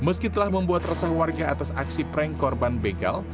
meski telah membuat resah warga atas aksi prank korban begal